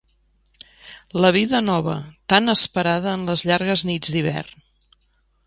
La vida nova, tan esperada en les llargues nits d'hivern